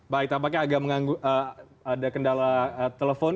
pak itapaknya agak menganggu ada kendala telepon